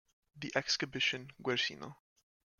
The exhibition Guercino.